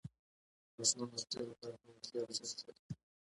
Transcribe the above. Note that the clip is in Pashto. • غاښونه د خولې لپاره حیاتي ارزښت لري.